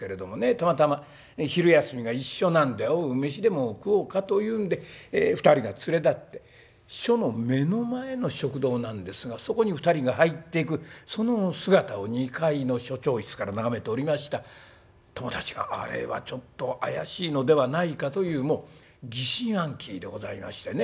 たまたま昼休みが一緒なんで「おう飯でも食おうか」というんで２人が連れ立って署の目の前の食堂なんですがそこに２人が入っていくその姿を２階の署長室から眺めておりました友達が「あれはちょっと怪しいのではないか」という疑心暗鬼でございましてね